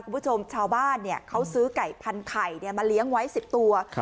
ครับทุกคนชาวบ้านเนี่ยเขาซื้อไก่พันข่ายเนี่ยมาเลี้ยงไว้๑๐ตัว